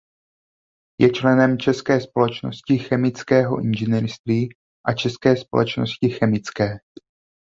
Je členem České společnosti chemického inženýrství a České společnosti chemické.